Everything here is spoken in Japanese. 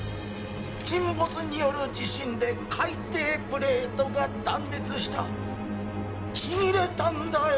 沈没による地震で海底プレートが断裂したちぎれたんだよ